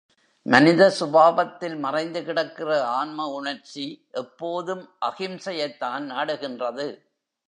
மனித சுபாவத்தில் மறைந்து கிடக்கிற ஆன்ம உணர்ச்சி எப்போதும் அகிம்சையைத்தான் நாடுகின்றது.